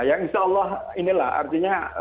insya allah inilah artinya